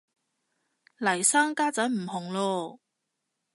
嚟生家陣唔紅嚕